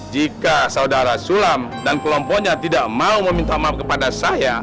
jika saudara sulam dan kelompoknya tidak mau meminta maaf kepada saya